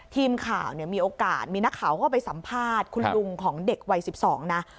ทีมข่าวเนี่ยมีโอกาสมีนักข่าวก็ไปสัมภาษณ์คุณลุงของเด็กวัย๑๒นะ